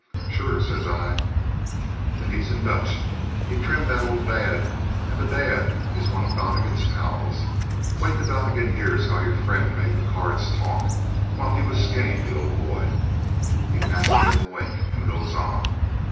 "'Sure,' says I. "'Then, he's in Dutch. He trimmed that old dad, and the dad is one of Donnegan's pals. Wait till Donnegan hears how your friend made the cards talk while he was skinning the old boy! "He passes me the wink and goes on.